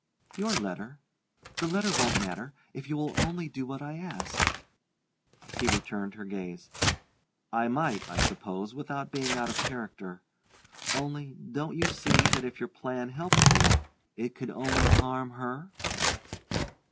"Your letter? The letter won't matter, if you will only do what I ask." He returned her gaze. "I might, I suppose, without being out of character. Only, don't you see that if your plan helped me it could only harm her?"